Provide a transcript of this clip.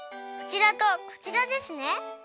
こちらとこちらですね。